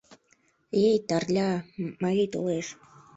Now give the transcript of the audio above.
«Эй, Тарля, Мари толеш!..